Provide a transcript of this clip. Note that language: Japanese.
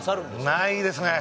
ないですね。